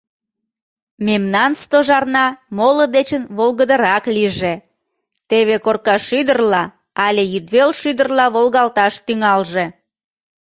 Мемнан Стожарна моло дечын волгыдырак лийже... теве Коркашӱдырла але Йӱдвел шӱдырла волгалташ тӱҥалже.